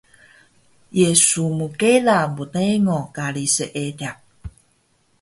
Ye su mkela mrengo kari Seediq?